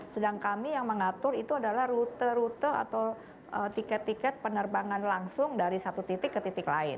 sedang kami yang mengatur itu adalah rute rute atau tiket tiket penerbangan langsung dari satu titik ke titik lain